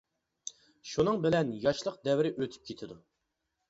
شۇنىڭ بىلەن ياشلىق دەۋرى ئۆتۈپ كېتىدۇ.